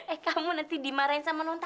eh kamu nanti dimarahin sama nontalita loh